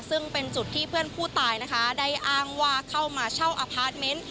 ซึ่งเป็นจุดที่เพื่อนผู้ตายนะคะได้อ้างว่าเข้ามาเช่าอพาร์ทเมนต์